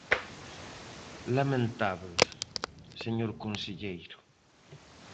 Lamentábel, señor conselleiro.